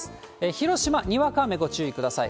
広島、にわか雨ご注意ください。